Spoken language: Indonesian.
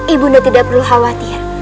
ibunya tidak perlu khawatir